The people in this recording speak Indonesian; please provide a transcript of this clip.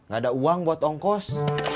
gak ada uang buat ongkos